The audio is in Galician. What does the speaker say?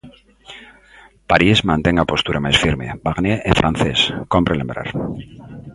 París mantén a postura máis firme ─Barnier é francés, cómpre lembrar─.